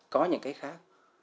có những cái khác